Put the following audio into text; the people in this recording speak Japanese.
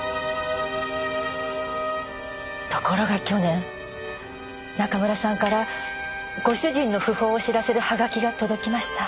ところが去年中村さんからご主人の訃報を知らせるはがきが届きました。